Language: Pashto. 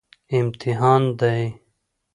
امتحان دی